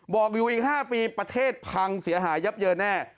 บอกอยู่อีก๕ปีประเทศพังเสียหายยับเยินแน่